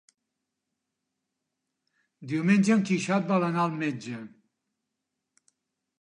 Diumenge en Quixot vol anar al metge.